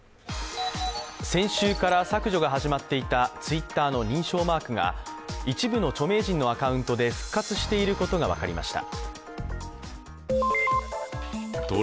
先週から削除が始まっていたＴｗｉｔｔｅｒの認証マークが一部の著名人のアカウントで復活していることが分かりました。